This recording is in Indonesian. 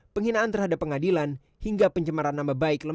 penghinaan terhadap pengadilan hingga pencemaran nama baik lembaga